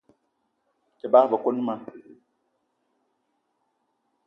Te bagbe koni ma.